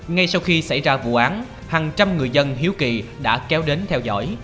ngay sau khi xảy ra vụ án hàng trăm người dân hiếu kỳ đã kéo đến theo dõi